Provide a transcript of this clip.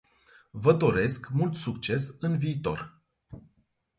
Vă doresc mult succes în viitor.